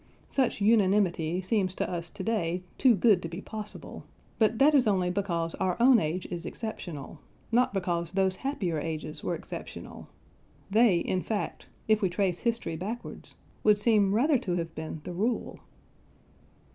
Such unanimity seems to us to day too good to be possible, but that is only because our own age is exceptional not because those happier ages were exceptional; they, in fact if we trace history backwards would seem rather to have been the rule.